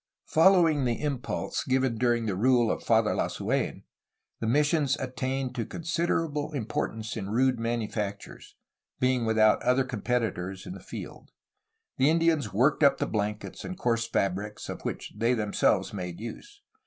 Following the impulse given during the rule of Father Lasu^n, the missions attained to considerable importance in rude manufactures, being without other competitors n the field. The Indians worked up the blankets and coarse fabrics of which they themselves made use.